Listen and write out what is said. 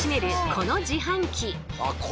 この自販機。